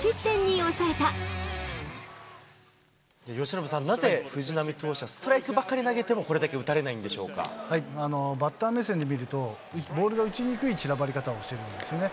由伸さん、なぜ、藤浪投手はストライクばかりなげても、これだけ打たれないんでしバッター目線で見ると、ボールが打ちにくい散らばり方をしているんですね。